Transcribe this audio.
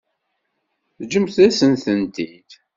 Ǧǧemt-asen-tent-id.